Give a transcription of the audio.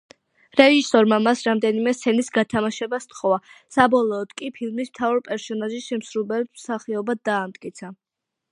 რეჟისორმა მას რამდენიმე სცენის გათამაშება სთხოვა, საბოლოოდ კი ფილმის მთავარი პერსონაჟის შემსრულებელ მსახიობად დაამტკიცა.